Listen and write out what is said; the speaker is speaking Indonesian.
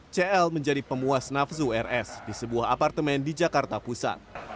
cl menjadi pemuas nafsu rs di sebuah apartemen di jakarta pusat